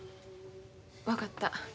分かった。